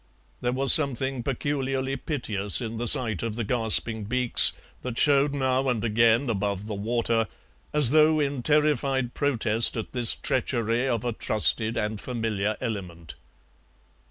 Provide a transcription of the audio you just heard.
There was something peculiarly piteous in the sight of the gasping beaks that showed now and again above the water, as though in terrified protest at this treachery of a trusted and familiar element.